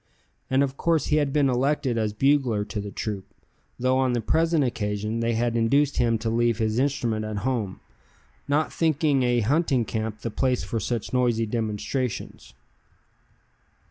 And of course he had been elected as bugler to the troop, though on the present occasion they had induced him to leave his instrument at home, not thinking a hunting camp the place for such noisy demonstrations.